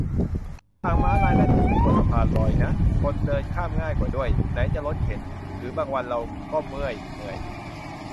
ทางม้าลายน่าจะถูกกว่าสะพานลอยนะ คนเดินข้ามง่ายกว่าด้วย ไหนจะรถเข็น หรือบางวันเราก็เมื่อย เหนื่อย